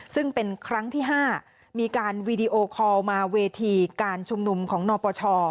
ซึ่งเป็นครั้งที่๕มีการวีดีโอคอลมาเวทีการชุมนุมของนปช